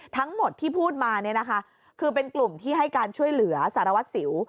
ทั้งหมดที่พูดมาเนี่ยนะคะคือเป็นกลุ่มที่ให้การช่วยเหลือสารวัตรสิว